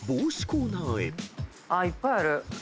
いっぱいある。